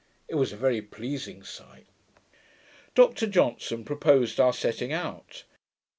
It was a very pleasing sight. Dr Johnson proposed our setting out.